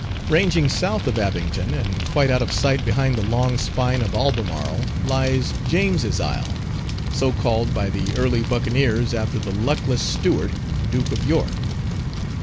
Ranging south of Abington, and quite out of sight behind the long spine of Albemarle, lies James's Isle, so called by the early Buccaneers after the luckless Stuart, Duke of York.